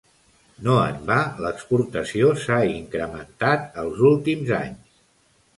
No en va l'exportació s'ha incrementat els últims anys.